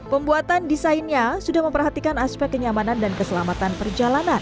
pembuatan desainnya sudah memperhatikan aspek kenyamanan dan keselamatan perjalanan